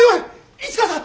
市川さん！